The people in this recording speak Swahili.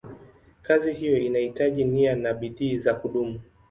Kazi hiyo inahitaji nia na bidii za kudumu.